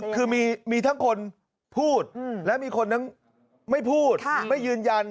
คือมีทั้งคนพูดและมีคนทั้งไม่พูดไม่ยืนยัน